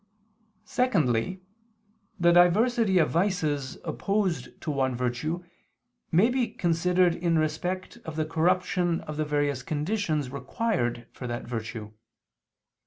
Secondly, the diversity of vices opposed to one virtue may be considered in respect of the corruption of the various conditions required for that virtue.